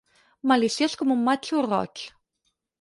Maliciós com un matxo roig.